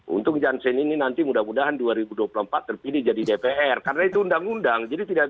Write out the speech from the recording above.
untuk jansen ini nanti mudah mudahan dua ribu dua puluh empat terpilih jadi dpr karena itu undang undang